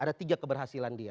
ada tiga keberhasilan dia